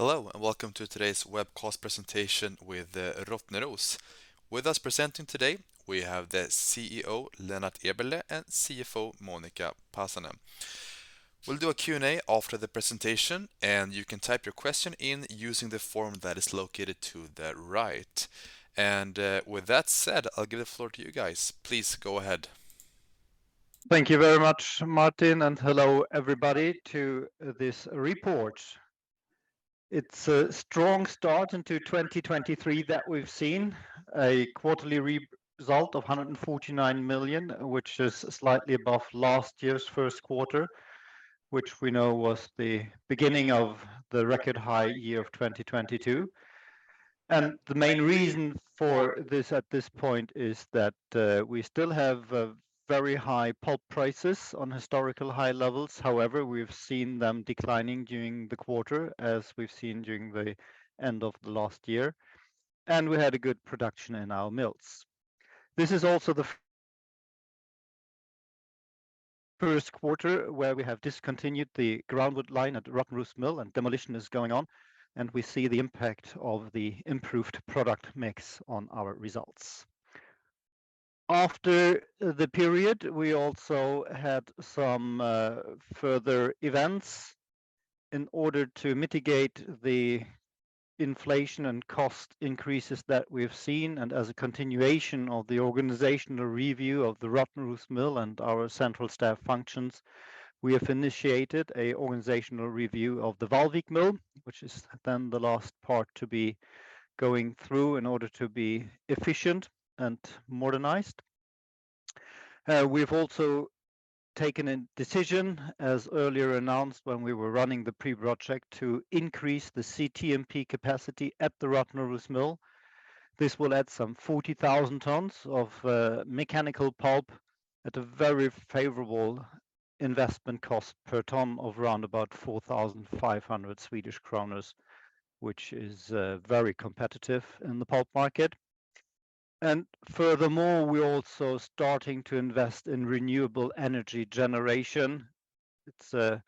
Hello, welcome to today's webcast presentation with Rottneros. With us presenting today, we have the CEO, Lennart Eberleh, and CFO, Monica Pasanen. We'll do a Q&A after the presentation, and you can type your question in using the form that is located to the right. With that said, I'll give the floor to you guys. Please go ahead. Thank you very much, Martin, and hello, everybody to this report. It's a strong start into 2023 that we've seen, a quarterly result of 149 million, which is slightly above last year's first quarter, which we know was the beginning of the record high year of 2022. The main reason for this at this point is that we still have very high pulp prices on historical high levels. However, we've seen them declining during the quarter, as we've seen during the end of the last year, and we had a good production in our mills. This is also the first quarter where we have discontinued the groundwood line at the Rottneros Mill, and demolition is going on, and we see the impact of the improved product mix on our results. After the period, we also had some further events in order to mitigate the inflation and cost increases that we've seen, as a continuation of the organizational review of the Rottneros Mill and our central staff functions, we have initiated an organizational review of the Vallvik Mill, which is then the last part to be going through in order to be efficient and modernized. We've also taken a decision, as earlier announced when we were running the pre-project, to increase the CTMP capacity at the Rottneros Mill. This will add some 40,000 tons of mechanical pulp at a very favorable investment cost per ton of round about 4,500 Swedish kronor, which is very competitive in the pulp market. Furthermore, we're also starting to invest in renewable energy generation. It's a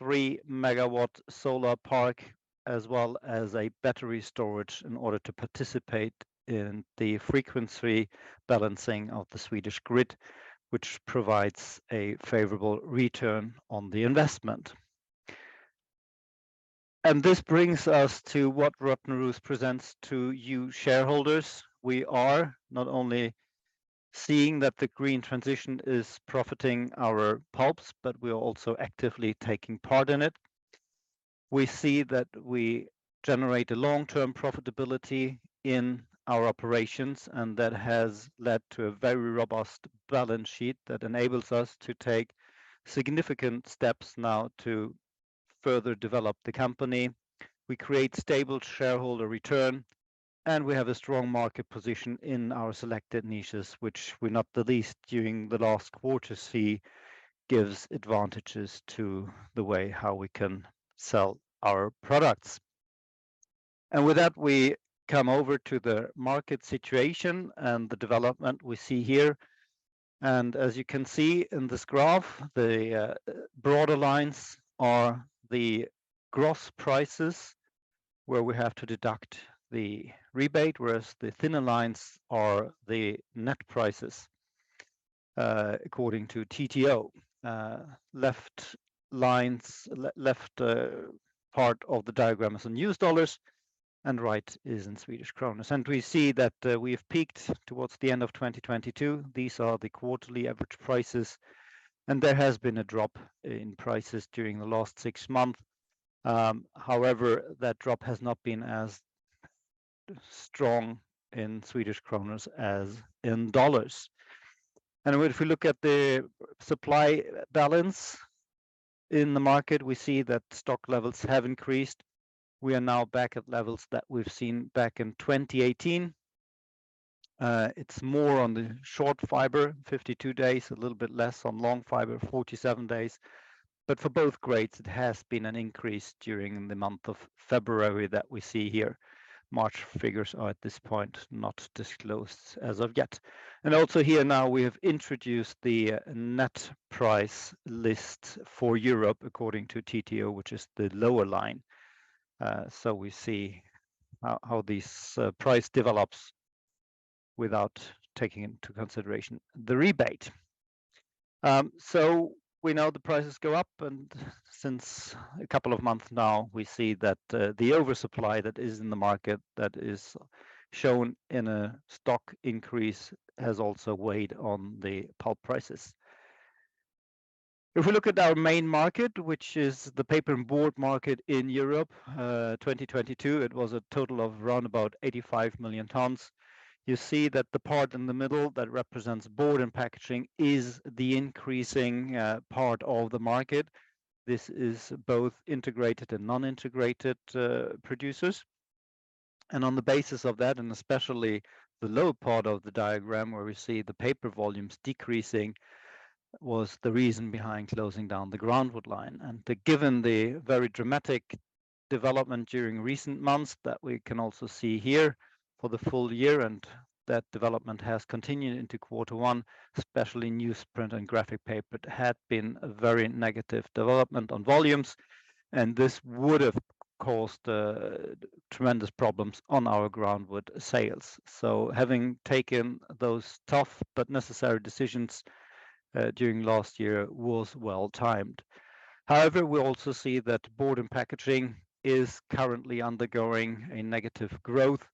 3 MW solar park, as well as a battery storage in order to participate in the frequency balancing of the Swedish grid, which provides a favorable return on the investment. This brings us to what Rottneros presents to you shareholders. We are not only seeing that the green transition is profiting our pulps, but we are also actively taking part in it. We see that we generate a long-term profitability in our operations, and that has led to a very robust balance sheet that enables us to take significant steps now to further develop the company. We create stable shareholder return, and we have a strong market position in our selected niches, which we not the least during the last quarter see gives advantages to the way how we can sell our products. With that, we come over to the market situation and the development we see here. As you can see in this graph, the broader lines are the gross prices where we have to deduct the rebate, whereas the thinner lines are the net prices, according to TTO. Left lines, left part of the diagram is in U.S. dollars and right is in Swedish kronors. We see that we have peaked towards the end of 2022. These are the quarterly average prices, and there has been a drop in prices during the last six months. However, that drop has not been as strong in Swedish kronors as in US dollars. If we look at the supply balance in the market, we see that stock levels have increased. We are now back at levels that we've seen back in 2018. It's more on the short fiber, 52 days, a little bit less on long fiber, 47 days. For both grades, it has been an increase during the month of February that we see here. March figures are at this point not disclosed as of yet. Also here now we have introduced the net price list for Europe according to TTO, which is the lower line. We see how this price develops without taking into consideration the rebate. We know the prices go up. Since a couple of months now, we see that the oversupply that is in the market that is shown in a stock increase has also weighed on the pulp prices. If we look at our main market, which is the paper and board market in Europe, 2022, it was a total of round about 85 million tons. You see that the part in the middle that represents board and packaging is the increasing part of the market. This is both integrated and non-integrated producers. On the basis of that, and especially the lower part of the diagram where we see the paper volumes decreasing, was the reason behind closing down the groundwood line. Given the very dramatic development during recent months that we can also see here for the full year, and that development has continued into Q1, especially newsprint and graphic paper. It had been a very negative development on volumes, and this would have caused tremendous problems on our groundwood sales. Having taken those tough but necessary decisions, during last year was well-timed. We also see that board and packaging is currently undergoing a negative growth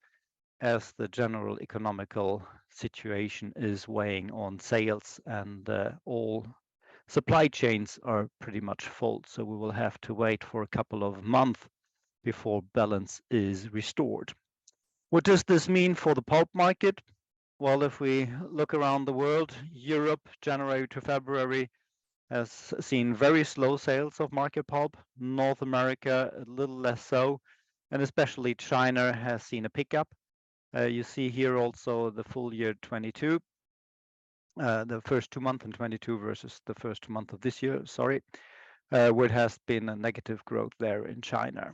as the general economical situation is weighing on sales and, all supply chains are pretty much fault. We will have to wait for a couple of month before balance is restored. What does this mean for the pulp market? If we look around the world, Europe, January to February, has seen very slow sales of market pulp. North America, a little less so, and especially China has seen a pickup. You see here also the full year 2022. The first 2 month in 2022 versus the first month of this year, sorry, where it has been a negative growth there in China.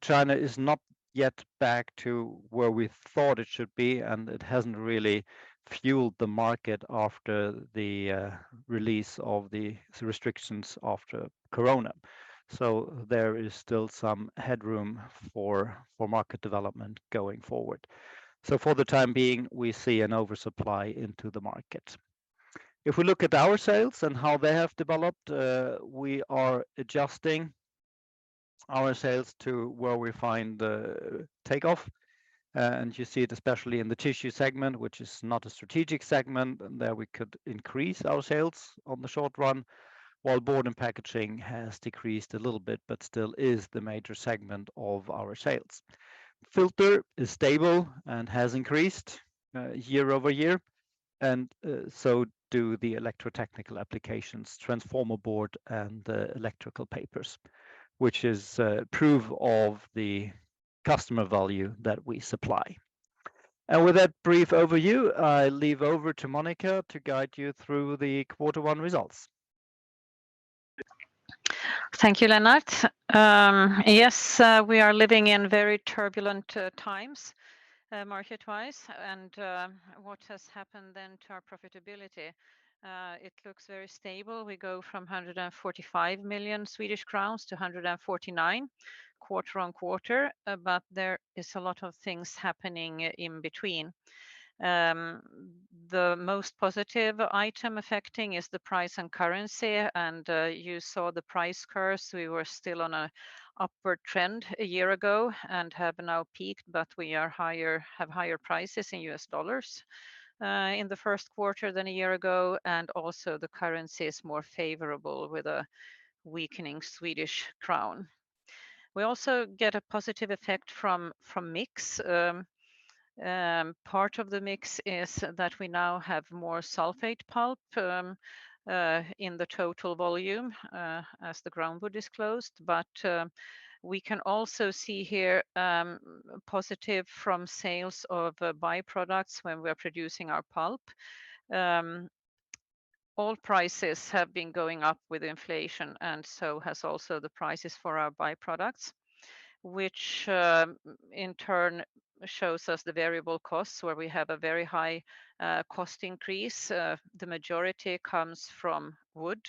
China is not yet back to where we thought it should be, and it hasn't really fueled the market after the release of the restrictions after Corona. There is still some headroom for market development going forward. For the time being, we see an oversupply into the market. If we look at our sales and how they have developed, we are adjusting our sales to where we find the takeoff. You see it especially in the tissue segment, which is not a strategic segment, and there we could increase our sales on the short run, while board and packaging has decreased a little bit but still is the major segment of our sales. Filter is stable and has increased, year-over-year, and, so do the electrotechnical applications, transformer board and the electrical papers, which is proof of the customer value that we supply. With that brief overview, I leave over to Monica to guide you through the quarter one results. Thank you, Lennart. Yes, we are living in very turbulent times, market-wise. What has happened then to our profitability? It looks very stable. We go from 145 million Swedish crowns to 149 million quarter-on-quarter, there is a lot of things happening in between. The most positive item affecting is the price and currency. You saw the price curves. We were still on a upward trend a year ago and have now peaked, but we have higher prices in US dollars in the first quarter than a year ago. Also the currency is more favorable with a weakening Swedish kronors. We also get a positive effect from mix. Part of the mix is that we now have more sulfate pulp in the total volume as the groundwood is closed. We can also see here positive from sales of byproducts when we're producing our pulp. All prices have been going up with inflation and so has also the prices for our byproducts, which in turn shows us the variable costs where we have a very high cost increase. The majority comes from wood,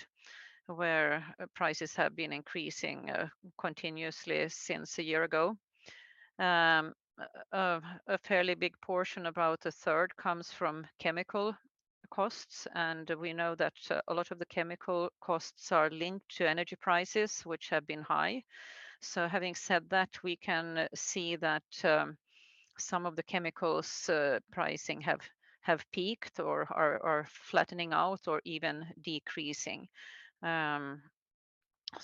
where prices have been increasing continuously since a year ago. A fairly big portion, about a third, comes from chemical costs, and we know that a lot of the chemical costs are linked to energy prices, which have been high. Having said that, we can see that some of the chemicals pricing have peaked or are flattening out or even decreasing.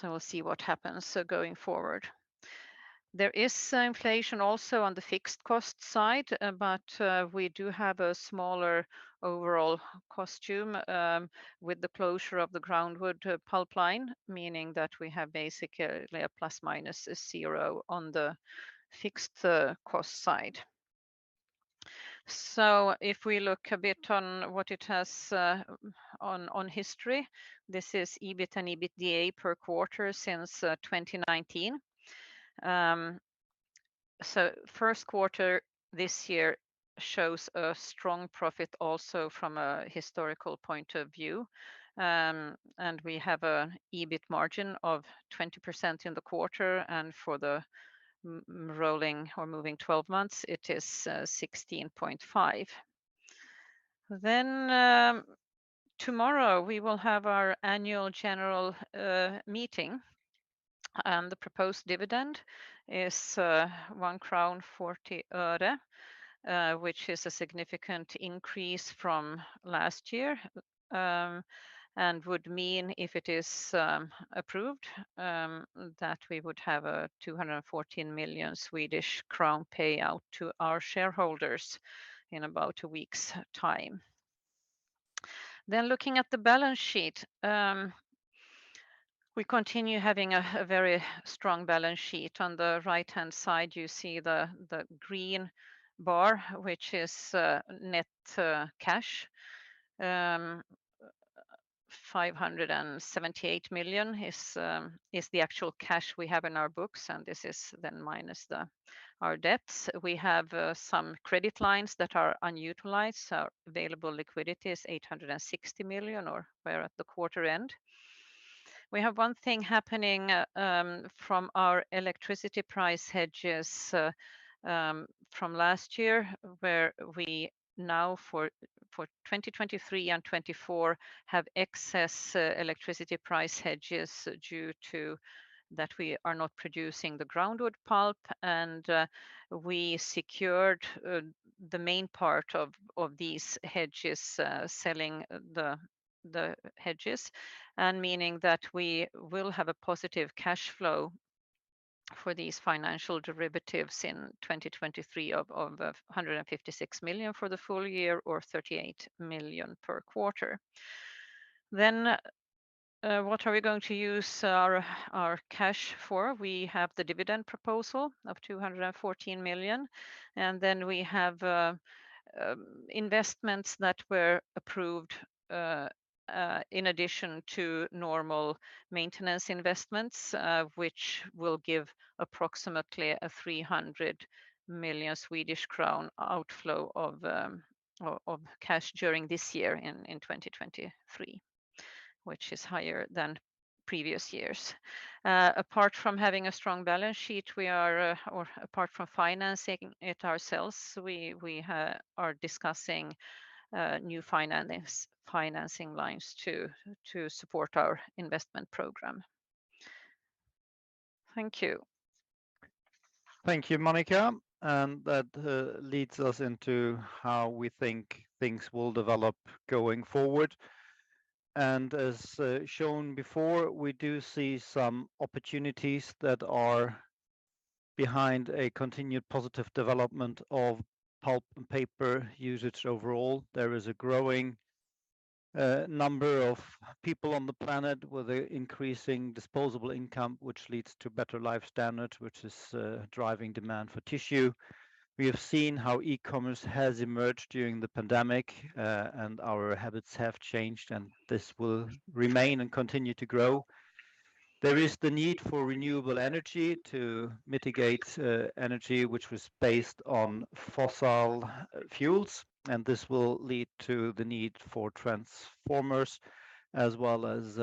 We'll see what happens going forward. There is inflation also on the fixed cost side, we do have a smaller overall costume with the closure of the groundwood pulp line, meaning that we have basically a ±0 on the fixed cost side. If we look a bit on what it has on history, this is EBIT and EBITDA per quarter since 2019. First quarter this year shows a strong profit also from a historical point of view, we have an EBIT margin of 20% in the quarter, and for the moving 12 months, it is 16.5%. Tomorrow we will have our annual general meeting. The proposed dividend is 1.40 crown, which is a significant increase from last year, and would mean, if it is approved, that we would have a 214 million Swedish crown payout to our shareholders in about a week's time. Looking at the balance sheet, we continue having a very strong balance sheet. On the right-hand side, you see the green bar, which is net cash. 578 million is the actual cash we have in our books, and this is then minus our debts. We have some credit lines that are unutilized. Available liquidity is 860 million or where at the quarter end. We have one thing happening from our electricity price hedges from last year, where we now for 2023 and 2024 have excess electricity price hedges due to that we are not producing the groundwood pulp. We secured the main part of these hedges selling the hedges, and meaning that we will have a positive cash flow for these financial derivatives in 2023 of 156 million for the full year or 38 million per quarter. What are we going to use our cash for? We have the dividend proposal of 214 million. We have investments that were approved in addition to normal maintenance investments, which will give approximately a 300 million Swedish crown outflow of cash during this year in 2023, which is higher than previous years. Apart from having a strong balance sheet, we are, or apart from financing it ourselves, we are discussing new financing lines to support our investment program. Thank you. Thank you, Monica. That leads us into how we think things will develop going forward. As shown before, we do see some opportunities that are behind a continued positive development of pulp and paper usage overall. There is a growing number of people on the planet with a increasing disposable income, which leads to better life standard, which is driving demand for tissue. We have seen how e-commerce has emerged during the pandemic, and our habits have changed, and this will remain and continue to grow. There is the need for renewable energy to mitigate energy which was based on fossil fuels, and this will lead to the need for transformers as well as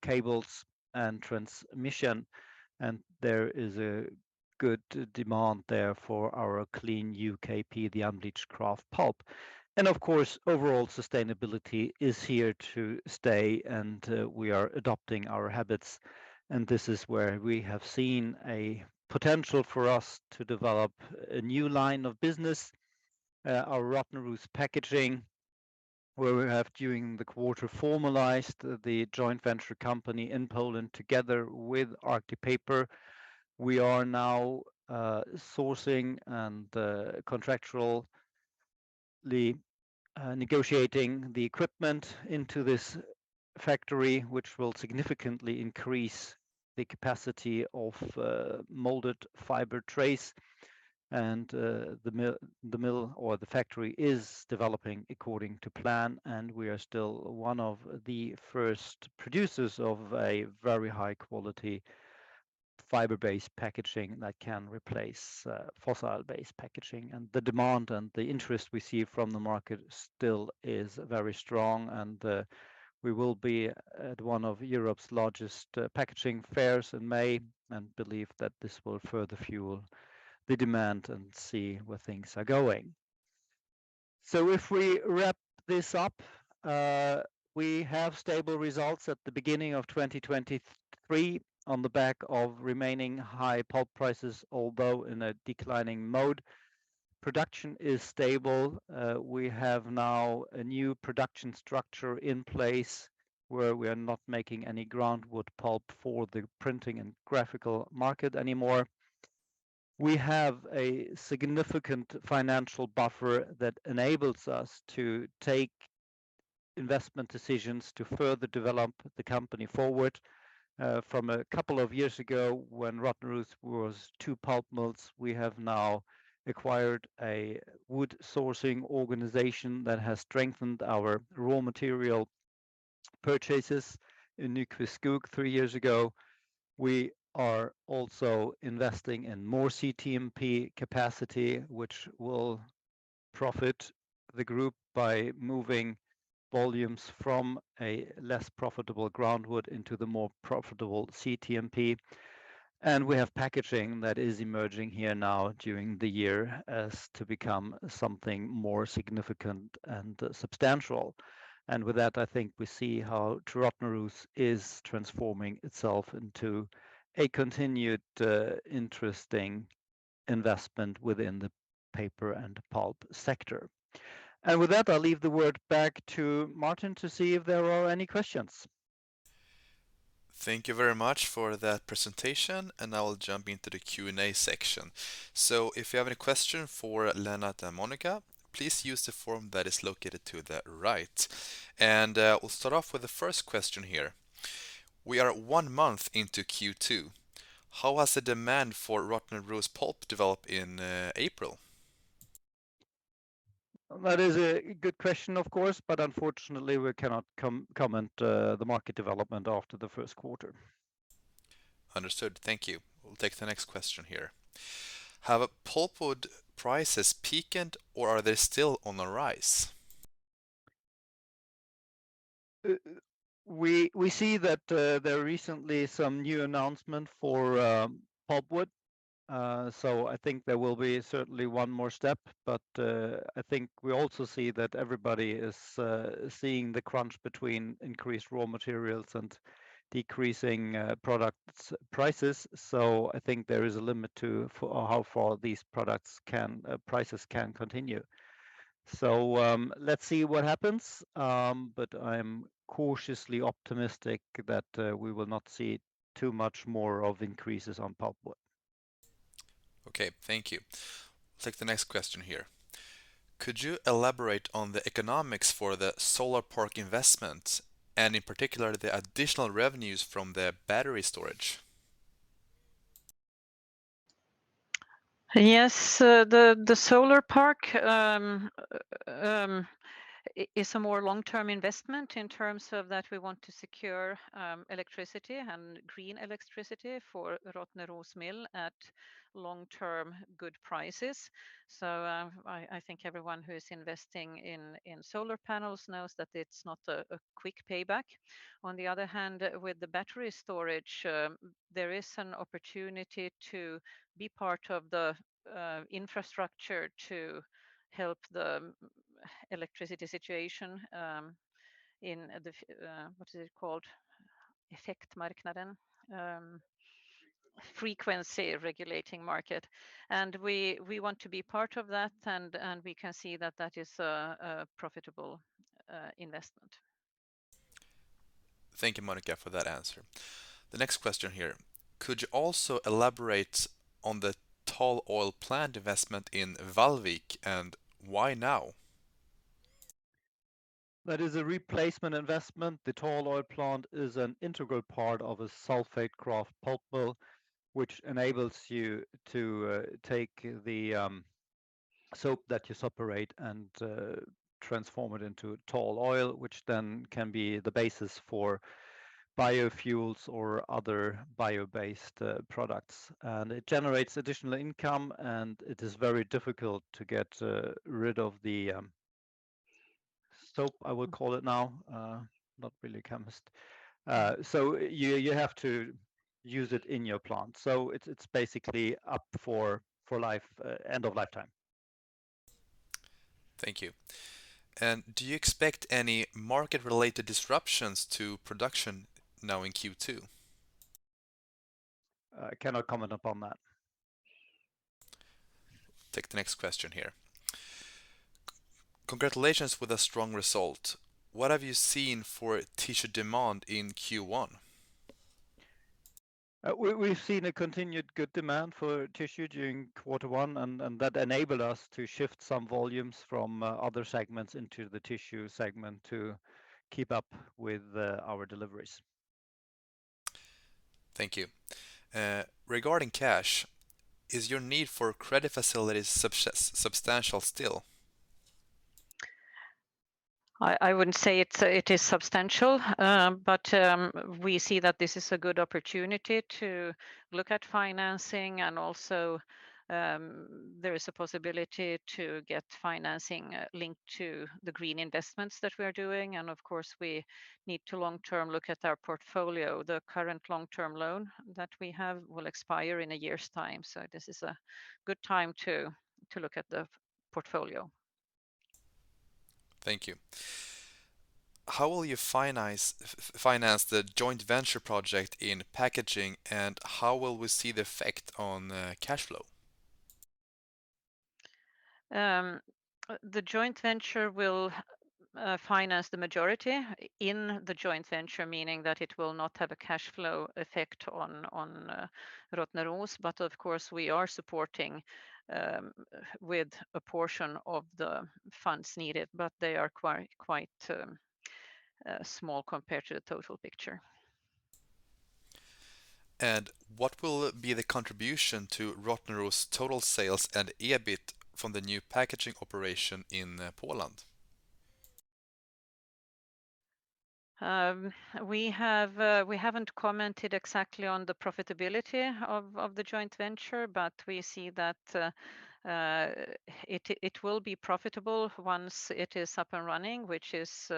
cables and transmission. There is a good demand there for our clean UKP, the unbleached kraft pulp. Of course, overall sustainability is here to stay, and we are adopting our habits, and this is where we have seen a potential for us to develop a new line of business, our Rottneros Packaging, where we have, during the quarter, formalized the joint venture company in Poland together with Arctic Paper. We are now sourcing and contractually negotiating the equipment into this factory, which will significantly increase the capacity of molded fiber trays. The mill or the factory is developing according to plan, and we are still one of the first producers of a very high quality fiber-based packaging that can replace fossil-based packaging. The demand and the interest we see from the market still is very strong, we will be at one of Europe's largest packaging fairs in May and believe that this will further fuel the demand and see where things are going. If we wrap this up, we have stable results at the beginning of 2023 on the back of remaining high pulp prices, although in a declining mode. Production is stable. We have now a new production structure in place where we are not making any groundwood pulp for the printing and graphical market anymore. We have a significant financial buffer that enables us to take investment decisions to further develop the company forward. From two years ago, when Rottneros was 2 pulp mills, we have now acquired a wood sourcing organization that has strengthened our raw material purchases in Nykvist Skogs three years ago. We are also investing in more CTMP capacity, which will profit the group by moving volumes from a less profitable groundwood into the more profitable CTMP. We have packaging that is emerging here now during the year as to become something more significant and substantial. With that, I think we see how Rottneros is transforming itself into a continued interesting investment within the paper and pulp sector. With that, I'll leave the word back to Martin to see if there are any questions. Thank you very much for that presentation. I will jump into the Q&A section. If you have any question for Lennart and Monica, please use the form that is located to the right. We'll start off with the first question here: We are one month into Q2. How has the demand for Rottneros pulp developed in April? That is a good question, of course, but unfortunately, we cannot comment the market development after the first quarter. Understood. Thank you. We'll take the next question here. Have pulpwood prices peaked or are they still on the rise? We see that there are recently some new announcement for pulpwood. I think there will be certainly one more step, but I think we also see that everybody is seeing the crunch between increased raw materials and decreasing products prices. I think there is a limit how far these products can prices can continue. Let's see what happens, but I'm cautiously optimistic that we will not see too much more of increases on pulpwood. Thank you. I'll take the next question here. Could you elaborate on the economics for the solar park investment and in particular, the additional revenues from the battery storage? Yes. The solar park is a more long-term investment in terms of that we want to secure electricity and green electricity for Rottneros Mill at long-term good prices. I think everyone who is investing in solar panels knows that it's not a quick payback. On the other hand, with the battery storage, there is an opportunity to be part of the infrastructure to help the electricity situation in the Effektmarknaden, frequency regulating market. We want to be part of that, and we can see that that is a profitable investment. Thank you, Monica, for that answer. The next question here, could you also elaborate on the tall oil plant investment in Vallvik, and why now? That is a replacement investment. The tall oil plant is an integral part of a sulfate kraft pulp mill, which enables you to take the soap that you separate and transform it into tall oil, which then can be the basis for biofuels or other bio-based products. It generates additional income. It is very difficult to get rid of the soap, I would call it now. Not really a chemist. So you have to use it in your plant. So it's basically up for life, end of lifetime. Thank you. Do you expect any market-related disruptions to production now in Q2? I cannot comment upon that. Take the next question here. Congratulations with a strong result. What have you seen for tissue demand in Q1? We've seen a continued good demand for tissue during quarter one, and that enabled us to shift some volumes from other segments into the tissue segment to keep up with our deliveries. Thank you. Regarding cash, is your need for credit facilities substantial still? I wouldn't say it is substantial, but we see that this is a good opportunity to look at financing, and also there is a possibility to get financing linked to the green investments that we are doing. Of course, we need to long term look at our portfolio. The current long-term loan that we have will expire in a year's time, so this is a good time to look at the portfolio. Thank you. How will you finance the joint venture project in packaging, and how will we see the effect on cash flow? The joint venture will finance the majority in the joint venture, meaning that it will not have a cash flow effect on Rottneros. Of course, we are supporting with a portion of the funds needed, but they are quite small compared to the total picture. What will be the contribution to Rottneros' total sales and EBIT from the new packaging operation in, Poland? We haven't commented exactly on the profitability of the joint venture, but we see that it will be profitable once it is up and running, which is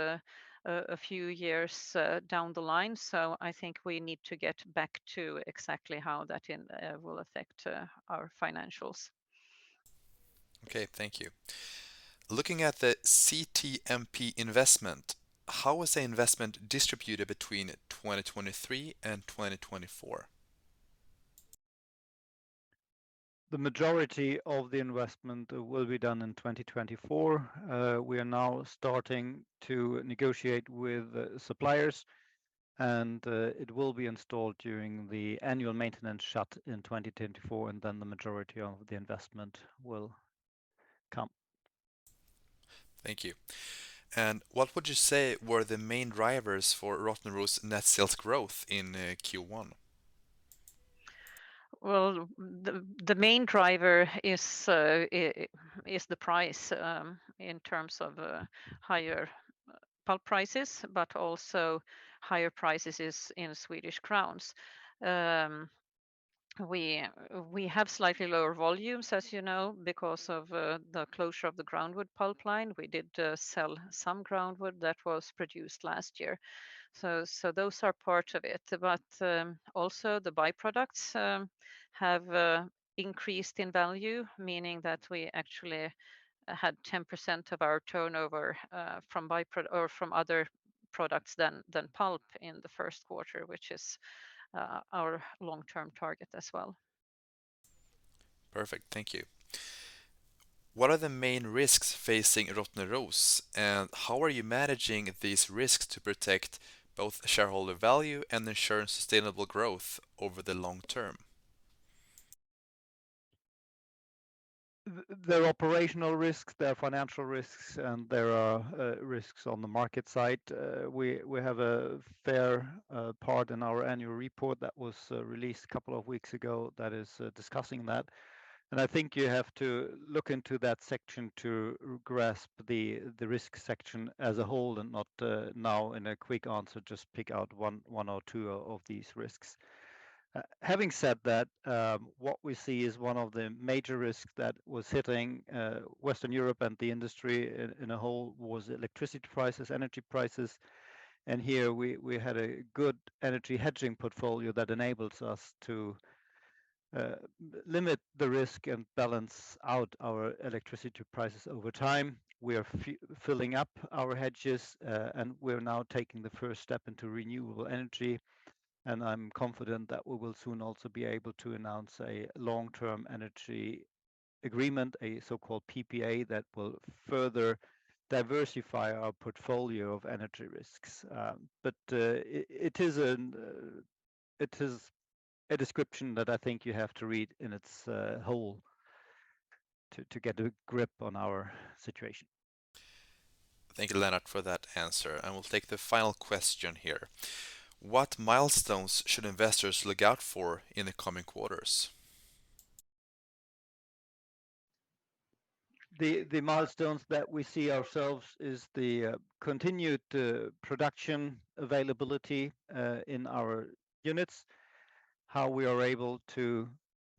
a few years down the line. I think we need to get back to exactly how that will affect our financials. Okay. Thank you. Looking at the CTMP investment, how is the investment distributed between 2023 and 2024? The majority of the investment will be done in 2024. We are now starting to negotiate with suppliers, and it will be installed during the annual maintenance shut in 2024. The majority of the investment will come. Thank you. What would you say were the main drivers for Rottneros' net sales growth in Q1? The main driver is the price in terms of higher pulp prices, but also higher prices is in Swedish kronors. We have slightly lower volumes, as you know, because of the closure of the groundwood pulp line. We did sell some groundwood that was produced last year. Those are part of it. Also the byproducts have increased in value, meaning that we actually had 10% of our turnover from or from other products than pulp in the first quarter, which is our long-term target as well. Perfect. Thank you. What are the main risks facing Rottneros, and how are you managing these risks to protect both shareholder value and ensure sustainable growth over the long term? There are operational risks, there are financial risks, and there are risks on the market side. We have a fair part in our annual report that was released a couple of weeks ago that is discussing that. I think you have to look into that section to grasp the risk section as a whole and not now in a quick answer, just pick out one or two of these risks. Having said that, what we see is one of the major risks that was hitting Western Europe and the industry in a whole was electricity prices, energy prices. Here we had a good energy hedging portfolio that enables us to limit the risk and balance out our electricity prices over time. We are filling up our hedges. We're now taking the first step into renewable energy. I'm confident that we will soon also be able to announce a long-term energy agreement, a so-called PPA, that will further diversify our portfolio of energy risks. It is a description that I think you have to read in its whole to get a grip on our situation. Thank you, Lennart, for that answer. We'll take the final question here. What milestones should investors look out for in the coming quarters? The milestones that we see ourselves is the continued production availability in our units, how we are able to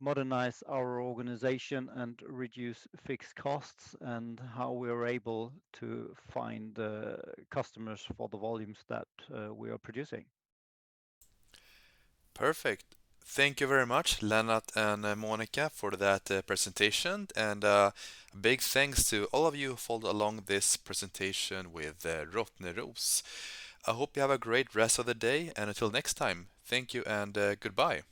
modernize our organization and reduce fixed costs, and how we are able to find customers for the volumes that we are producing. Perfect. Thank you very much, Lennart and Monica, for that presentation. Big thanks to all of you who followed along this presentation with Rottneros. I hope you have a great rest of the day, and until next time, thank you and goodbye.